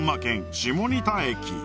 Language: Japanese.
下仁田駅